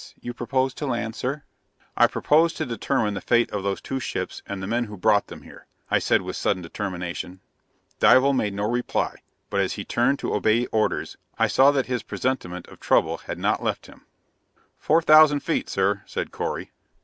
You propose to land, sir?" "I propose to determine the fate of those two ships and the men who brought them here," I said with sudden determination. Dival made no reply, but as he turned to obey orders, I saw that his presentiment of trouble had not left him. "Four thousand feet, sir," said Correy.